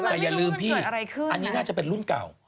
แต่อย่าลืมพี่อันนี้น่าจะเป็นรุ่นเก่า